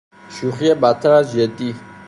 شوخی بد تر از جدی